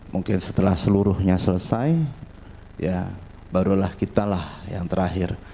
mungkin setelah seluruhnya selesai ya barulah kita lah yang terakhir